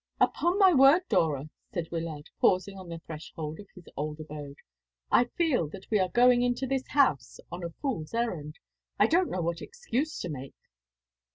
"Upon my word, Dora," said Wyllard, pausing on the threshold of his old abode, "I feel that we are going into this house on a fool's errand. I don't know what excuse to make."